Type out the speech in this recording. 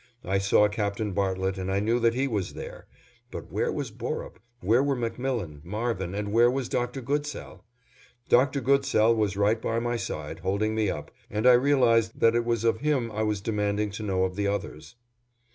I saw Captain Bartlett and I knew that he was there; but where was Borup, where were MacMillan, Marvin, and where was Dr. Goodsell? Dr. Goodsell was right by my side, holding me up, and I realized that it was of him I was demanding to know of the others.